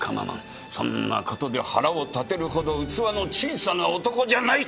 そんな事で腹を立てるほど器の小さな男じゃない！